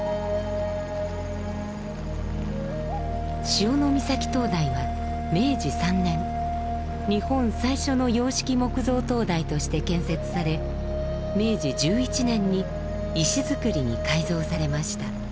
潮岬灯台は明治３年日本最初の洋式木造灯台として建設され明治１１年に石造りに改造されました。